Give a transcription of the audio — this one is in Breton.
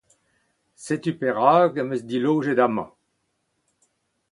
Setu perak em eus dilojet amañ.